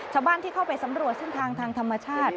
ชาวบ้านที่เข้าไปสำรวจทางธรรมชาติ